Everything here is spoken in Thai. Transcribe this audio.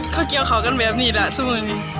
เขาเกี่ยวเขากันแบบนี้ล่ะสู้แบบนี้